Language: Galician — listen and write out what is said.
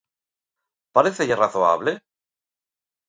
¿Parécelle razoable?